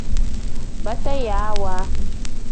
Batayaawa.